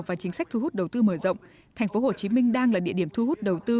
và chính sách thu hút đầu tư mở rộng thành phố hồ chí minh đang là địa điểm thu hút đầu tư